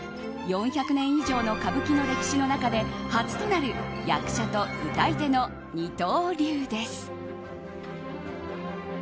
４００年以上の歌舞伎の歴史の中で初となる役者と唄い手の二刀流です。